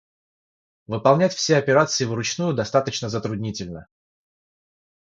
Выполнять все операции вручную достаточно затруднительно